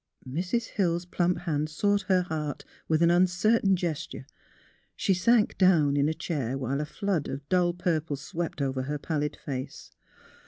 Mrs. Hill's plump hand sought her heart, with an uncertain gesture. She sank down in a chair, while a flood of dull purple swept over her pallid face.